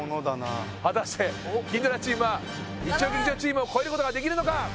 果たして金ドラチームは日曜劇場チームを超えることができるのか？